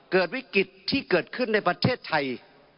เกิดวิกฤตที่เกิดขึ้นในประเทศไทย